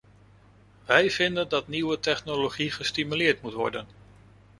Wij vinden dat nieuwe technologie gestimuleerd moet worden.